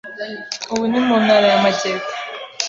ubu ni mu ntara y’amajyepfo